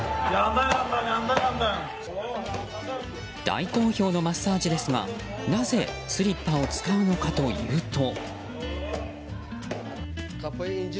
大好評のマッサージですがなぜスリッパを使うのかというと。